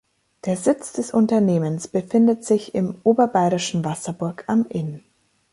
Der Sitz des Unternehmens befindet sich im oberbayerischen Wasserburg am Inn.